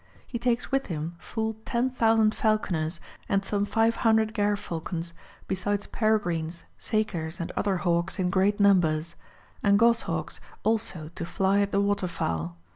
^ He takes with him full 10,000 falconers, and some 500 gerfalcons besides peregrines, sakers, and other hawks in great numbers ; and goshawks also to fly at the water fowl.